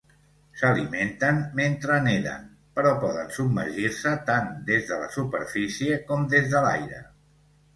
S'alimenten mentre neden, però poden submergir-se tant des de la superfície com des de l'aire.